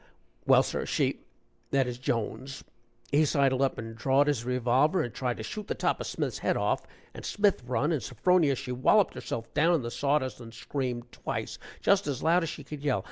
"Well, sir, she that is, Jones he sidled up and drawed his revolver and tried to shoot the top of Smith's head off, and Smith run, and Sophronia she walloped herself down in the saw dust and screamed twice, just as loud as she could yell.